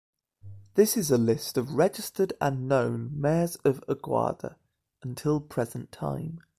This is a list of registered and known mayors of Aguada, until present time.